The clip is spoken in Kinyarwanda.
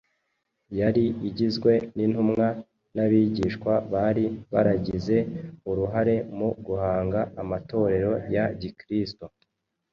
yari igizwe n’intumwa n’abigisha bari baragize uruhare mu guhanga amatorero ya Gikristo